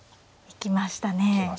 行きましたね。